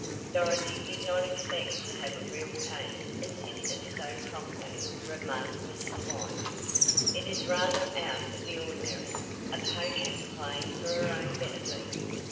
"Dorothy did not expect to have a real case assisted so promptly," remarked Mrs. White. "It is rather out of the ordinary a patient playing for her own benefit."